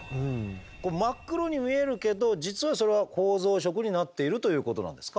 これ真っ黒に見えるけど実はそれは構造色になっているということなんですか？